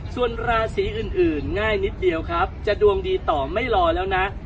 ส่วนราศีอื่นง่ายนิดเดียวครับจะดวงดีต่อไม่รอแล้วนะ